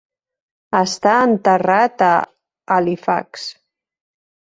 Està enterrat a Halifax.